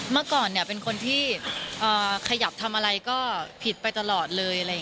เมื่อก่อนเป็นคนที่ขยับทำอะไรก็ผิดไปตลอดเลย